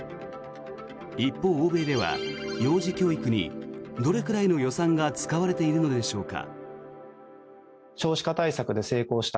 一方、欧米では幼児教育にどれくらいの予算が使われているのでしょうか。